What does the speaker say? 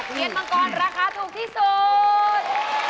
เนียนมังกรราคาถูกที่สุด